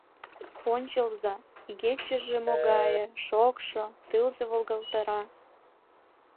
Ончалза — игечыже могае, шокшо, тылзе волгалтара...